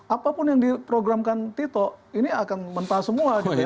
apapun yang diprogramkan tito ini akan mentah semua